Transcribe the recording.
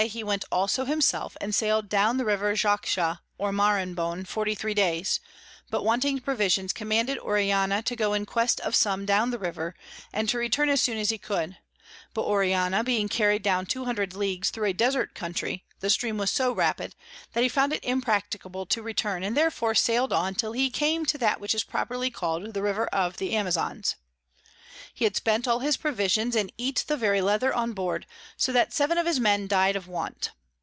_] he went also himself, and sail'd down the River Xauxa or Maranhon 43 days, but wanting Provisions, commanded Orellana to go in quest of some down the River, and to return as soon as he could; but Orellana being carry'd down 200 Leagues thro a desert Country, the Stream was so rapid, that he found it impracticable to return, and therefore sail'd on till he came to that which is properly call'd the River of the Amazons. He had spent all his Provisions, and eat the very Leather on board; so that seven of his Men died of Want.